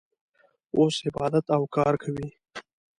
اوس عبادت او کار کوي.